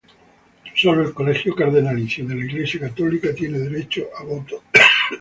Sólo el colegio cardenalicio de la Iglesia católica tiene derecho a voto.